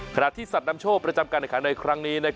ขณะที่สัตว์นำโชคประจำการแข่งขันในครั้งนี้